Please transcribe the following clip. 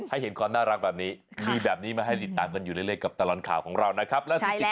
ให้เห็นความน่ารักแบบนี้มีแบบนี้มาให้ติดตามกันอยู่เรื่อยกับตลอดข่าวของเรานะครับ